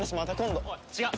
おい違う。